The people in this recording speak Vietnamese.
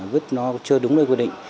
vứt nó chưa đúng nơi quy định